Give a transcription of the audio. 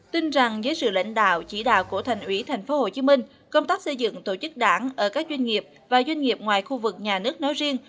tin rằng với sự lãnh đạo chỉ đạo của thành ủy thành phố hồ chí minh công tác xây dựng tổ chức đảng ở các doanh nghiệp và doanh nghiệp ngoài khu vực nhà nước nói riêng